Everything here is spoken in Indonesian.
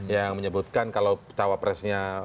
yang menyebutkan kalau cawa presnya